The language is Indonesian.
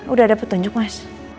udah dapet tunjuk mas